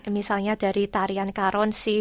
misalnya dari tarian karonsi